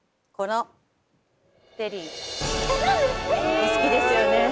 お好きですよね。